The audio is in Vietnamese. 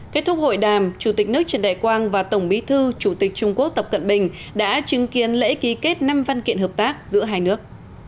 kết thúc hội đàm chủ tịch nước trần đại quang và tổng bí thư chủ tịch trung quốc tập cận bình đã chứng kiến lễ ký kết năm văn kiện hợp tác giữa hai nước